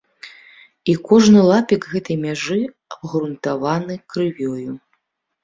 І кожны лапік гэтай мяжы абгрунтаваны крывёю.